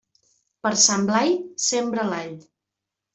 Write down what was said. Per Sant Blai, sembra l'all.